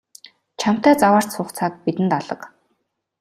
Чамтай заваарч суух цаг бидэнд алга.